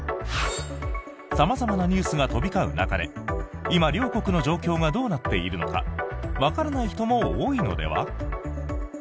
様々なニュースが飛び交う中で今、両国の状況がどうなっているのかわからない人も多いのでは？